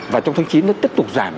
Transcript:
và trong tháng chín nó tiếp tục giảm